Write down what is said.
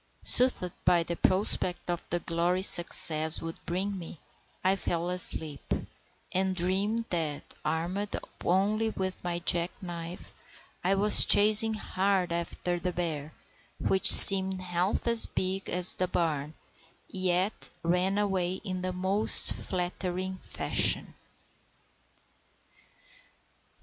Soothed by the prospect of the glory success would bring me, I fell asleep, and dreamed that, armed only with my jack knife, I was chasing hard after the bear, which seemed half as big as the barn, yet ran away in the most flattering fashion.